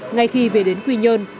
ngay khi về đến quy nhơn